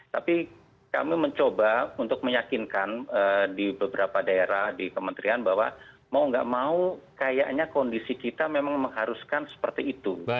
tapi kami mencoba untuk meyakinkan di beberapa daerah di kementerian bahwa mau nggak mau kayaknya kondisi kita memang mengharuskan seperti itu